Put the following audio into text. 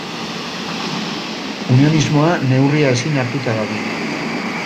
Unionismoa neurria ezin hartuta dabil.